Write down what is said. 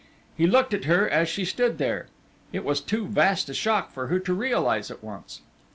He looked at her as she stood there it was too vast a shock for her to realize at once.